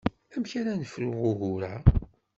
Amek ara nefru ugur-a?